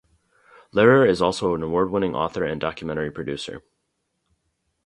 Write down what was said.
Lehrer is also an award-winning author and documentary producer.